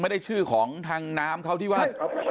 ชื่อของทางน้ำเขาที่ว่า